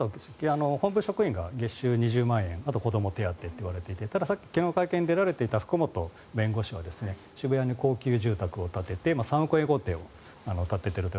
本部職員が月収２０万円あと子ども手当といわれていてただ、昨日の会見に出られていた福本弁護士は渋谷に高級住宅を建てて３億円豪邸を建てていると。